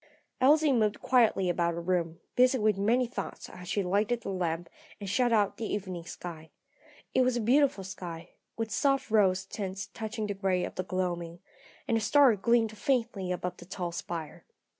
Elsie moved quietly about her room, busy with many thoughts as she lighted the lamp and shut out the evening sky. It was a beautiful sky, with soft rose tints touching the grey of the gloaming, and a star gleamed faintly above the tall spire.